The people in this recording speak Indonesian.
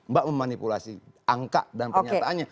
mbak memanipulasi angka dan pernyataannya